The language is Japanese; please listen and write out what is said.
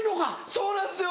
そうなんですよ。